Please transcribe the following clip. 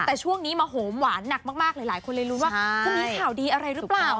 แต่ช่วงนี้มาโหมหวานหนักมากหลายคนเลยรู้ว่าจะมีข่าวดีอะไรหรือเปล่า